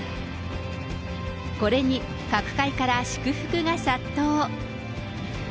これに各界から祝福が殺到。